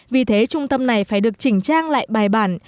vì thế trung tâm này phải được chỉnh trang lại bài bản